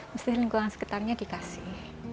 mesti lingkungan sekitarnya dikasih